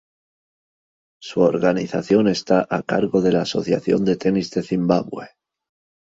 Su organización está a cargo de la Asociación de Tenis de Zimbabue.